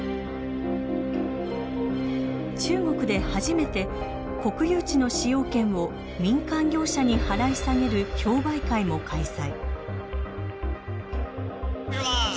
中国で初めて国有地の使用権を民間業者に払い下げる競売会も開催。